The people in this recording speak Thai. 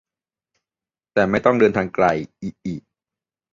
แต่ไม่ต้องเดินทางไกลอิอิ